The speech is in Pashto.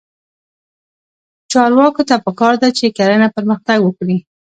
چارواکو ته پکار ده چې، کرنه پرمختګ ورکړي.